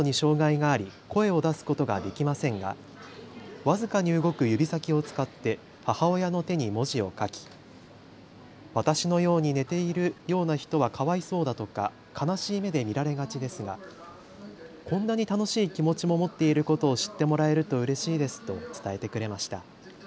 手や足などに障害があり声を出すことができませんが、僅かに動く指先を使って母親の手に文字を書き私のように寝ているような人はかわいそうだとか悲しい目で見られがちですがこんなに楽しい気持ちも持っていることを知ってもらえるとうれしいですと伝えてくれました。